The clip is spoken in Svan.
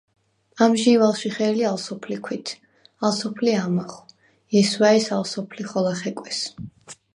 ამჟი̄ვ ალშიხე̄ლი ალ სოფლი ქვით, ალ სოფლი ამახვ, ჲესვა̄̈ჲს ალ სოფლი ხოლა ხეკვეს!